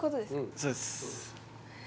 そうです